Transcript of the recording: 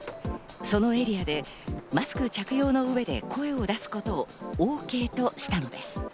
そのエリアでマスク着用の上で声を出すことをＯＫとしたのです。